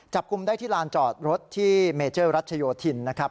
จับกลุ่มได้ที่ลานจอดรถที่เมเจอร์รัชโยธินนะครับ